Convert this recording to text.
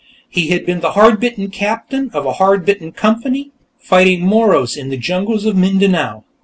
He had been the hard bitten captain of a hard bitten company, fighting Moros in the jungles of Mindanao.